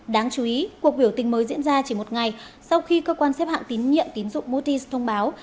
đáng chú ý cuộc biểu tình mới diễn ra chỉ một ngày sau khi cơ quan xếp hạng tín nhiệm tín dụng motis thông báo